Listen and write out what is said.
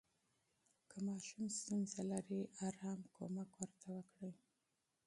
که ماشوم ستونزه لري، آرامه مرسته ورته وکړئ.